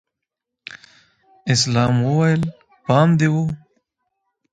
اسلام وويل پام دې و.